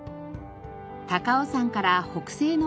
高尾山から北西の方角